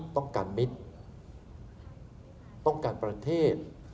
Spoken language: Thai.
ต้องการมิตรต้องการประเทศ